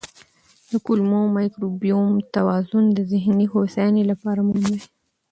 د کولمو مایکروبیوم توازن د ذهني هوساینې لپاره مهم دی.